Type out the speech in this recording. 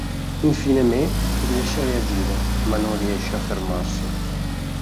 Infine Me riesce a reagire, ma non riesce a fermarsi.